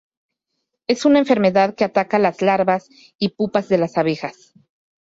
Es una enfermedad que ataca las larvas y pupas de las abejas.